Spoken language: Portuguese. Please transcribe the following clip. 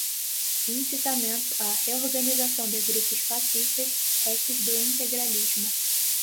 incitamento à reorganização de grupos fascistas, restos do integralismo